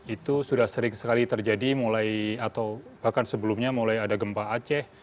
itu sudah sering sekali terjadi mulai atau bahkan sebelumnya mulai ada gempa aceh